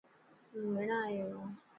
هون هينڙا آيو هان.